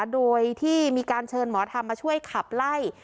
โดยที่มีการเชิญหมอธรรมมาช่วยขับไล่